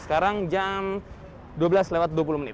sekarang jam dua belas lewat dua puluh menit